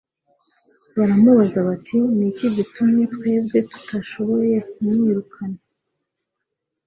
baramubaza bati : "Ni iki gitumye twebwe tutashoboye kumwirukana?"